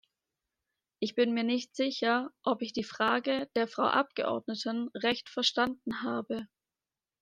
Ich bin nicht sicher, ob ich die Frage der Frau Abgeordneten recht verstanden habe.